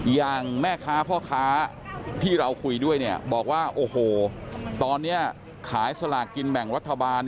อย่างแม่ค้าพ่อค้าที่เราคุยด้วยเนี่ยบอกว่าโอ้โหตอนนี้ขายสลากกินแบ่งรัฐบาล